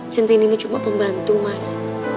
centin ini cuma pembantu mas